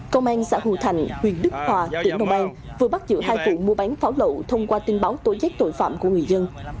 công an xã hữu thạnh huyện đức hòa tỉnh long an vừa bắt giữ hai phụ mua bán pháo lậu thông qua tin báo tối giác tội phạm của người dân